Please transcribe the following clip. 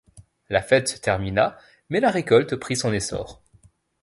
La fête se termina mais la récolte prit son essor.